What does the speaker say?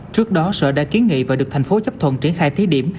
trước đó sở đã kiến nghị và được thành phố chấp thuận triển khai thí điểm